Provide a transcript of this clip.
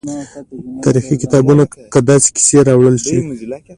تاریخي کتابونو کې داسې کیسې راوړل شوي.